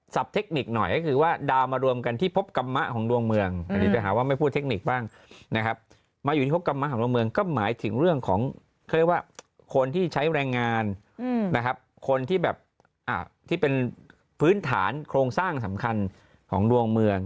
เทคนิคหน่อยก็คือว่าดาวมารวมกันที่พบกรรมะของดวงเมืองอันนี้ไปหาว่าไม่พูดเทคนิคบ้างนะครับมาอยู่ที่พบกรรมะของดวงเมืองก็หมายถึงเรื่องของเขาเรียกว่าคนที่ใช้แรงงานนะครับคนที่แบบที่เป็นพื้นฐานโครงสร้างสำคัญของดวงเมือง